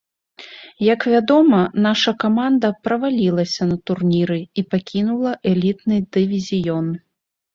Як вядома, наша каманда правалілася на турніры і пакінула элітны дывізіён.